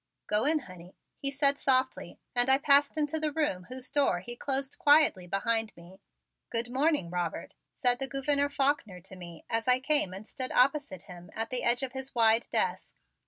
"Go in, honey," he said softly and I passed into the room whose door he closed quietly behind me. "Good morning, Robert," said the Gouverneur Faulkner to me as I came and stood opposite him at the edge of his wide desk.